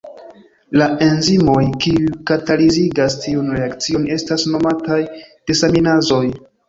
La enzimoj kiuj katalizigas tiun reakcion estas nomataj desaminazoj.